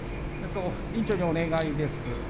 委員長にお願いです。